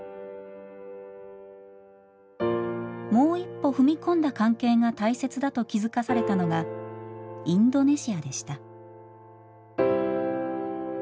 もう一歩踏み込んだ関係が大切だと気付かされたのがインドネシアでした。